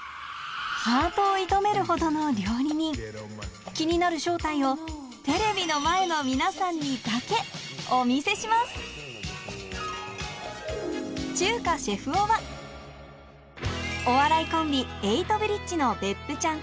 ハートを射止めるほどの料理人気になる正体をテレビの前の皆さんにだけお見せします中華シェフ男はお笑いコンビエイトブリッジの別府ちゃん